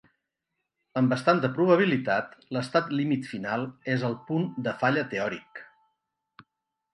Amb bastanta probabilitat, l'estat límit final és el punt de falla teòric.